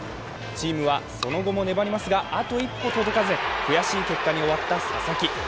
チームはその後も粘りますがあと一歩届かず悔しい結果に終わった佐々木。